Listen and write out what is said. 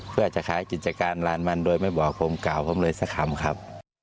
เพื่อจะขายกิจการร้านมันโดยไม่บอกผมกล่าวผมเลยสักคำครับ